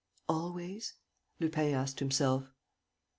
"Always?" Lupin asked himself.